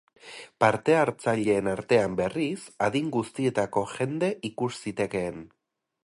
Parte-hartzaileen artean, berriz, adin guztietako jende ikus zitekeen.